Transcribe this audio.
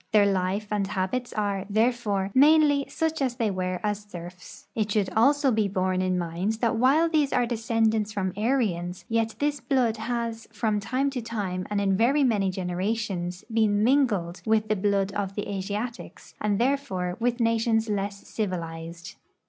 Their life and habits are, therefore, mainly such as they were as serfs. It should also be borne in mind that while these are descendants from Aryans, yet this blood has from time to time and in very mau}'^ generations ])oen mingled with the blood of the Asiatics, and therefore with nations less civilized.